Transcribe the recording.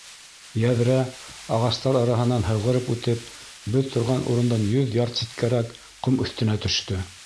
Йәҙрә, ағастар араһынан һыҙғырып үтеп, беҙ торған урындан йөҙ ярд ситкәрәк, ҡом өҫтөнә төштө.